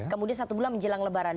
kemudian satu bulan menjelang lebaran